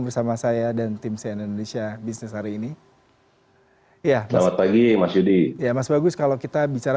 bersama saya dan tim cn indonesia bisnis hari ini ya selamat pagi mas yudi ya mas bagus kalau kita bicara